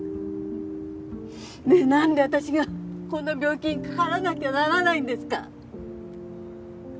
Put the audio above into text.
ねえなんで私がこんな病気にかからなきゃならないんですか！？